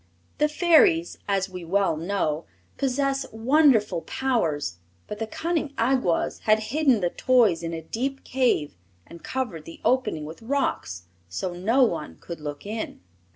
The Fairies, as we well know, possess wonderful powers; but the cunning Awgwas had hidden the toys in a deep cave and covered the opening with rocks, so no one could look in.